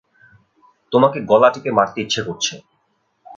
তোমাকে গলা টিপে মারতে ইচ্ছে করছে।